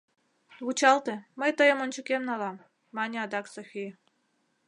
— Вучалте, мый тыйым ончыкем налам, — мане адак Софи.